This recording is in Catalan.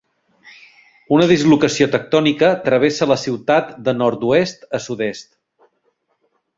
Una dislocació tectònica travessa la ciutat de nord-oest a sud-est.